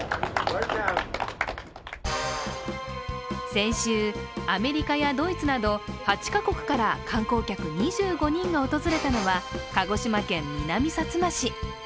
先週、アメリカやドイツなど８か国から観光客２５人が訪れたのは鹿児島県南さつま市。